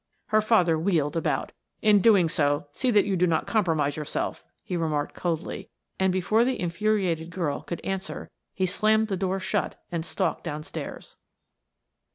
Her father wheeled about. "In doing so, see that you do not compromise yourself," he remarked coldly, and before the infuriated girl could answer, he slammed the door shut and stalked downstairs.